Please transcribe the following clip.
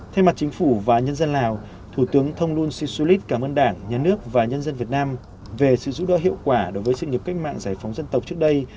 thay mặt chính phủ và nhân dân lào thủ tướng thông luân si su lít cảm ơn đảng nhà nước và nhân dân việt nam về sự giúp đỡ hiệu quả đối với sự nghiệp cách mạng giải phóng dân tộc trước đây